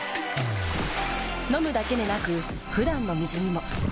飲むだけでなく普段の水にも。